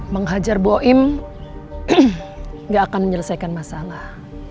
menghajar boim gak akan menyelesaikan masalah